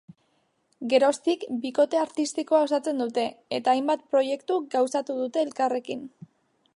Geroztik, bikote artistikoa osatzen dute, eta hainbat proiektu gauzatu dute elkarrekin.